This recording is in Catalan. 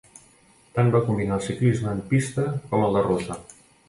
Tant va combinar el ciclisme en pista com el de ruta.